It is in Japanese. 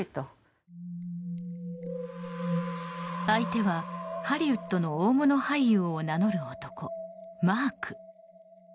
相手はハリウッドの大物俳優を名乗る男、マーク。